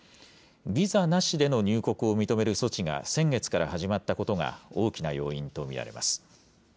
ビザなしでの入国を認める措置が、先月から始まったことが大きな要因と見られます。